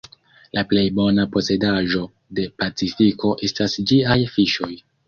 La plej bona posedaĵo de Pacifiko estas ĝiaj fiŝoj.